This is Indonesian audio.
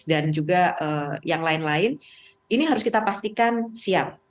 dan juga yang lain lain ini harus kita pastikan siap